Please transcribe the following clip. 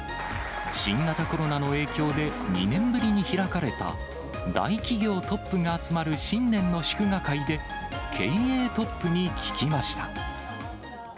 新型コロナの影響で、２年ぶりに開かれた、大企業トップが集まる新年の祝賀会で、経営トップに聞きました。